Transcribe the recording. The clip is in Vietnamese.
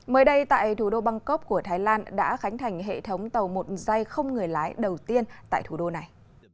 mới đây tại thủ đô bangkok của thái lan đã khánh thành hệ thống tàu một dây không người lái đầu tiên tại thủ đô này